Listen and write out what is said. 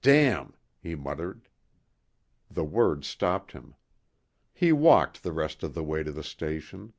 "Damn...." he muttered. The word stopped him. He walked the rest of the way to the station.